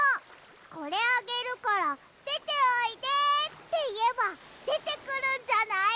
これあげるからでておいでっていえばでてくるんじゃない！？